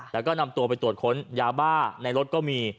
แล้วก็นำตัวไปตรวจค้นยาบ้าในรถก็มี